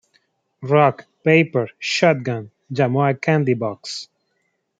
Rock, Paper, Shotgun llamó a "Candy Box!